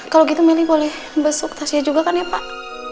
kalau gitu melly boleh besuk tasya juga kan ya pak